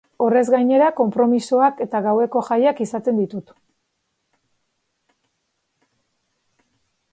Horrez gainera, konpromisoak eta gaueko jaiak izaten ditut.